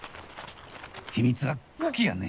秘密は茎やね！